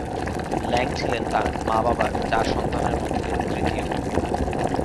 ল্যাং ছিলেন তার মা-বাবার চার সন্তানের মধ্যে তৃতীয়।